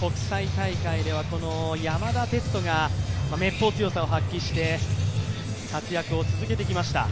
国際大会では山田哲人がめっぽう強さを発揮して活躍を続けてきました。